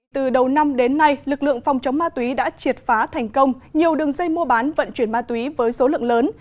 từ đầu năm đến nay lực lượng phòng chống ma túy đã triệt phá thành công nhiều đường dây mua bán vận chuyển ma túy với số lượng lớn